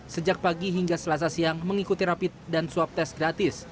sejak pagi hingga selasa siang mengikuti rapid dan swab tes gratis